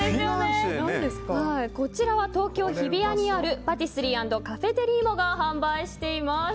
こちらは東京・日比谷にあるパティスリー＆カフェデリーモが販売しています。